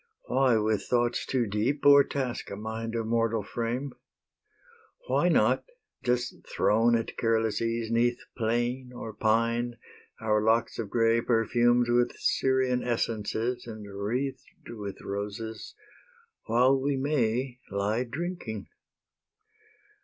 Why with thoughts too deep O'ertask a mind of mortal frame? Why not, just thrown at careless ease 'Neath plane or pine, our locks of grey Perfumed with Syrian essences And wreathed with roses, while we may, Lie drinking?